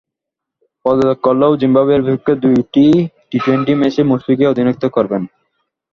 পদত্যাগ করলেও জিম্বাবুয়ের বিপক্ষে দুটি টি টোয়েন্টি ম্যাচে মুশফিকই অধিনায়কত্ব করবেন।